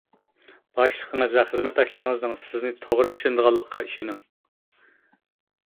باشلىقىڭىز ۋە خىزمەتداشلىرىڭىزنىڭ سىزنى توغرا چۈشىنىدىغانلىقىغا ئىشىنىڭ.